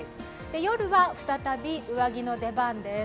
夜は再び上着の出番です。